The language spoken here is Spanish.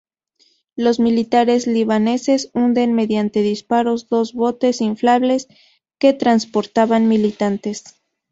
Los militares libaneses hunden mediante disparos dos botes inflables que transportaban militantes.